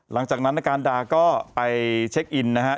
หลังจากนั้นนาการดาก็ไปเช็คอินนะฮะ